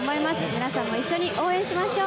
皆さんも一緒に応援しましょう。